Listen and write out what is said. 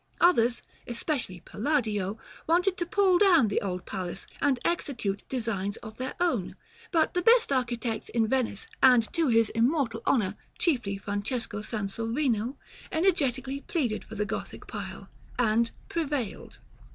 Others, especially Palladio, wanted to pull down the old palace, and execute designs of their own; but the best architects in Venice, and to his immortal honor, chiefly Francesco Sansovino, energetically pleaded for the Gothic pile, and prevailed.